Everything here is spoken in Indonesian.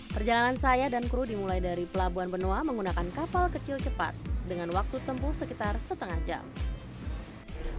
perjalanan saya dan kru dimulai dari pelabuhan benoa menggunakan kapal kecil cepat dengan waktu tempuh sekitar setengah jam